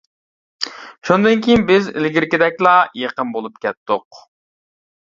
شۇندىن كېيىن بىز ئىلگىرىكىدەكلا يېقىن بولۇپ كەتتۇق.